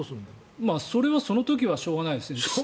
それはその時はしょうがないですね。